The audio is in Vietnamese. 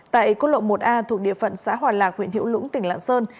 tại cốt lộ một a thuộc địa phận xã hòa lạc huyện hữu lũng tỉnh lạng sơn